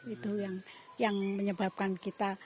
itu yang menyebabkan kita